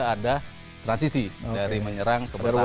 ketika ada transisi dari menyerang ke pertahanan